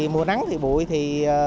mùa nắng thì bụi